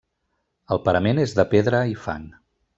El parament és de pedra i fang.